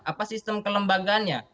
apa sistem kelembagaannya